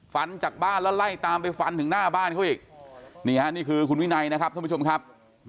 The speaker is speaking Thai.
จากบ้านแล้วไล่ตามไปฟันถึงหน้าบ้านเขาอีกนี่ฮะนี่คือคุณวินัยนะครับท่านผู้ชมครับ